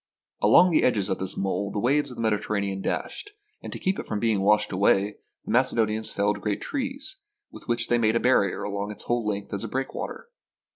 Along the edges of this mole the waves of the Mediterranean dashed, and to keep it from being washed away, the Macedonians felled great trees, with which they made a barrier along its whole length as a breakwater.